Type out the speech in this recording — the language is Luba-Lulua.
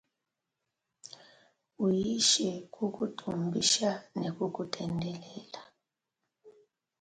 Unyishe kukutumbisha ne kukutendela.